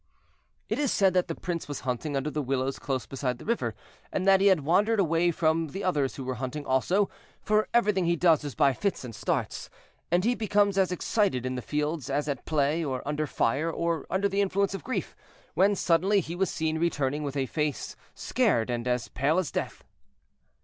"It is said that the prince was hunting under the willows close beside the river, and that he had wandered away from the others who were hunting also, for everything he does is by fits and starts, and he becomes as excited in the field as at play, or under fire, or under the influence of grief, when suddenly he was seen returning with a face scared and as pale as death.